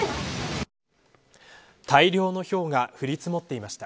大量のひょうが降り積もっていました。